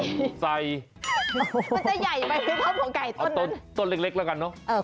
มันจะใหญ่ไหมครับของไก่ต้นเล็กแล้วกันเนอะ